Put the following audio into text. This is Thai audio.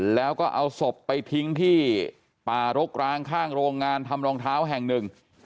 แล้วก็เอาศพไปทิ้งที่ป่ารกร้างข้างโรงงานทำรองเท้าแห่งหนึ่ง